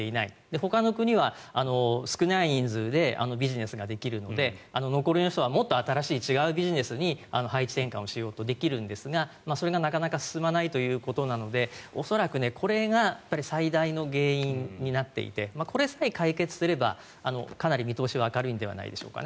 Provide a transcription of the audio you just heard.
ほかの国は少ない人数でビジネスができるので残りの人はもっと新しい違うビジネスに配置転換をしようとできるんですがそれがなかなか進まないということなので恐らくこれが最大の原因になっていてこれさえ解決すればかなり見通しは明るいのではないでしょうか。